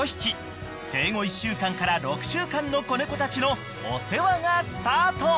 ［生後１週間から６週間の子猫たちのお世話がスタート］